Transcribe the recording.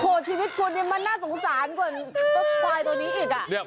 โอ้โหชีวิตคุณเนี่ยมันน่าสงสารกว่าเจ้าควายตัวนี้อีกอ่ะ